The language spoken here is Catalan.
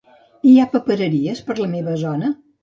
Hi ha papereries per la meva zona?